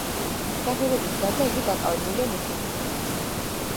მსახიობობის გარდა, იგი დაკავებულია მუსიკით.